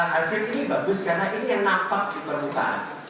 hasil ini bagus karena ini yang nampak di permukaan